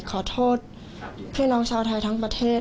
ขอโทษพี่น้องชาวไทยทั้งประเทศ